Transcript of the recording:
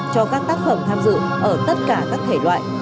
cho các tác phẩm tham dự ở tất cả các thể loại